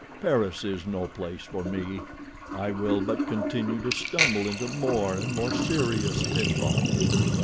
"Paris is no place for me. I will but continue to stumble into more and more serious pitfalls.